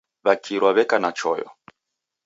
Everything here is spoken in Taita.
W'akirwa w'eka na choyo .